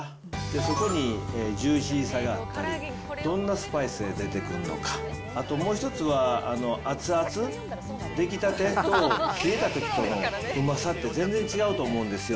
そこにジューシーさがあったり、どんなスパイスで出てくるのか、あともう１つは熱々、出来たてと冷えたときとのうまさって、全然違うと思うんですよ。